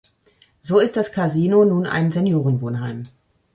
So ist das Kasino nun ein Seniorenwohnheim.